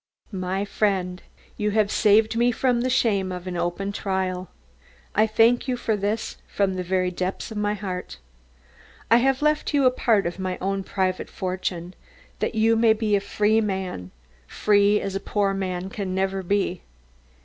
My friend: You have saved me from the shame of an open trial. I thank you for this from the very depth of my heart. I have left you a part of my own private fortune, that you may be a free man, free as a poor man never can be.